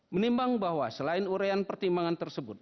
menimbang bahwa selain urean pertimbangan tersebut